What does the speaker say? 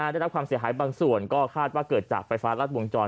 ได้รับความเสียหายบางส่วนก็คาดว่าเกิดจากไฟฟ้ารัดวงจร